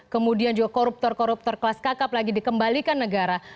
kemudian juga koruptor koruptor kelas kakap lagi dikembalikan negara